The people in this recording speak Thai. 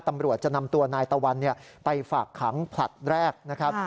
ตำรวจจะนำตัวนายตะวันไปฝากขังผลัดแรกนะครับ